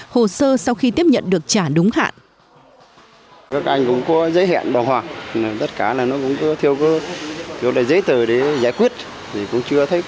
hồ sơ sau khi tiếp nhận được trả đúng hạn